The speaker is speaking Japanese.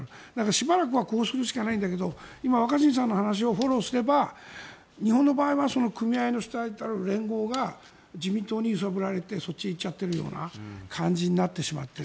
しばらくはこうするしかないんだけど今、若新さんの話をフォローすれば日本の場合は組合の主体たる連合が自民党に揺さぶられてそっちへ行っちゃってるような感じになってしまってる。